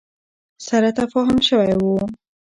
سره تفاهم شوی ؤ